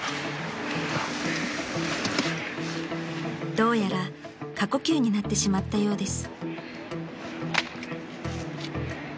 ［どうやら過呼吸になってしまったようです］